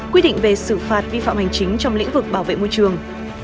quyết định về sự phạt vi phạm hành chính trong lĩnh vực bảo vệ môi trường